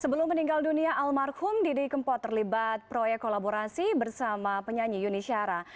sebelum meninggal dunia almarhum didi kempot terlibat proyek kolaborasi bersama penyanyi yuni syara